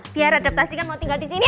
biar adaptasikan mau tinggal di sini ya